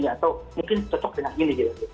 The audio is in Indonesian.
atau mungkin cocok dengan ini gitu